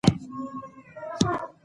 سبزي خوړونکي د چاپیریال لپاره ګټور دي.